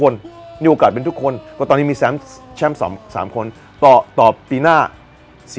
แชมป์๓คนต่อตัวปีหน้า๓๔ล้านบาท